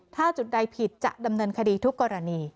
ถ้าจุดใดผิดจะดำเนินคดีทุกกรณี